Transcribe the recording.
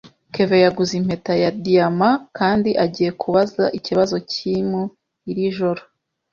Kevin yaguze impeta ya diyama kandi agiye kubaza ikibazo Kim iri joro.